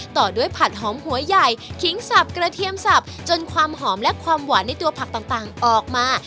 ต่อด้วยผัดหอมหัวใหญ่ขิงสับกระเทียมสับจนความหอมและความหวานในตัวผักต่างออกมา